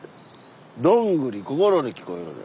「どんぐりこころ」に聞こえるで。